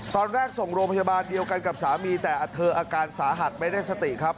ตอนแรกส่งโรงพยาบาลเดียวกันกับสามีแต่เธออาการสาหัสไม่ได้สติครับ